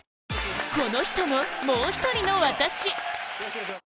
この人の「もうひとりのワタシ。」